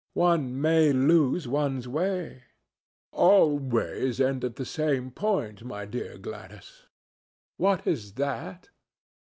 "One may lose one's way." "All ways end at the same point, my dear Gladys." "What is that?"